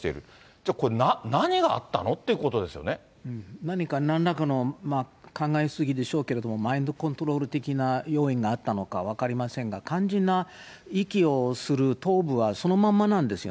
じゃあこれ、何があったのってこ何か、なんらかの、考え過ぎでしょうけれども、マインドコントロール的な要因があったのか分かりませんが、肝心な遺棄をする頭部は、そのまんまなんですよ。